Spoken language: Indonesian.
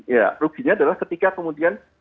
ya ruginya adalah ketika kemudian